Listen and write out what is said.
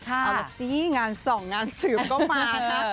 เอาล่ะสิงานส่องงานสืบก็มานะ